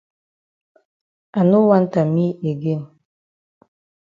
I no want am me again.